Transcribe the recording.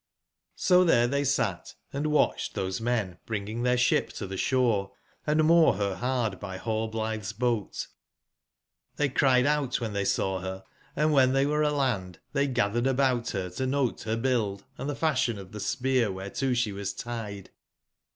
^^^jO theretheysatandwatchedthosemen bring !^^|| their ship to the shore and moor her hard by ^^^ Hallblithe's boat, tlbey cried out when they saw her, & when they were aland they gathered about her to note her build, and the fashion of the spear whereto she was tied.